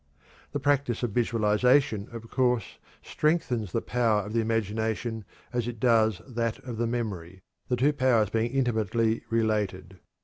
The practice of visualization, of course, strengthens the power of the imagination as it does that of the memory, the two powers being intimately related.